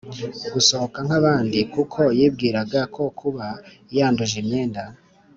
Gusohoka nk abandi kuko yibwiraga ko kuba yanduje imyenda